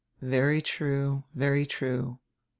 "Very true, very true."